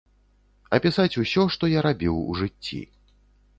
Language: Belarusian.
Апісаць усё, што я рабіў у жыцці.